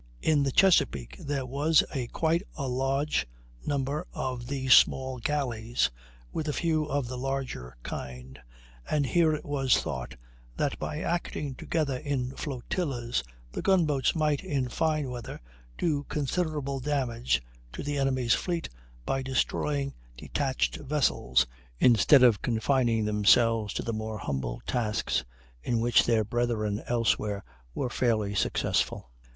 In the Chesapeake there was a quite a large number of these small gallies, with a few of the larger kind, and here it was thought that by acting together in flotillas the gun boats might in fine weather do considerable damage to the enemy's fleet by destroying detached vessels, instead of confining themselves to the more humble tasks in which their brethren elsewhere were fairly successful.